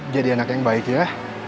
jadi anak yang baik ya